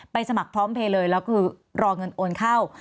สมัครพร้อมเพลย์เลยแล้วคือรอเงินโอนเข้า